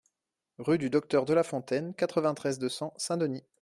Rue du Docteur Delafontaine, quatre-vingt-treize, deux cents Saint-Denis